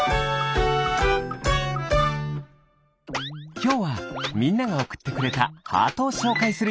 きょうはみんながおくってくれたハートをしょうかいするよ。